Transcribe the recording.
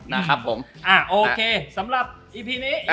สำหรับอีพีนี้